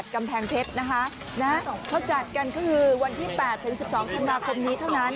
กำแพงเพชรนะคะเขาจัดกันก็คือวันที่๘ถึง๑๒ธันวาคมนี้เท่านั้น